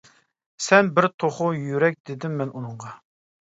سەن بىر توخۇ يۈرەك دېدىم مەن ئۇنىڭغا.